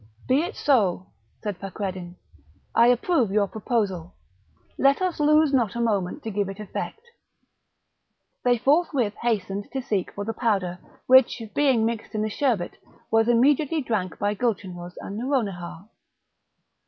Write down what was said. "Be it so!" said Fakreddin. "I approve your proposal; let us lose not a moment to give it effect." They forthwith hastened to seek for the powder, which, being mixed in a sherbet, was immediately drank by Gulchenrouz and Nouronihar.